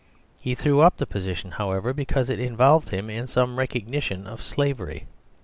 He threw up the position however, because it involved him in some recognition of slavery.